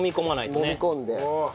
もみ込んで。